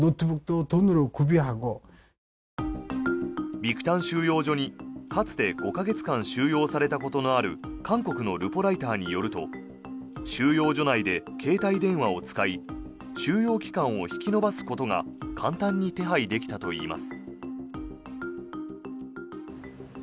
ビクタン収容所にかつて、５か月間収容されたことのある韓国のルポライターによると収容所内で携帯電話を使い収容期間を引き延ばすことが簡単に手配できたといいます。